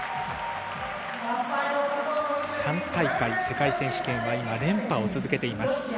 ３大会世界選手権は連覇を続けています。